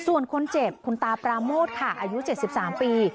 ส่วนคนเจ็บคุณตาปราโมทค่ะอายุ๗๓ปี